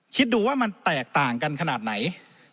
คิดดูว่ามันแตกต่างกันขนาดไหน